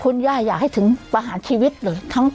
คุณย่าอยากให้ถึงประหารชีวิตเลย